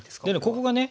ここがね